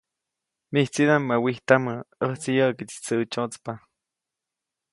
‒Mijtsidaʼm ma wijtamä, ʼäjtsi yäʼkiʼtsi tsäʼtsyäʼtspa-.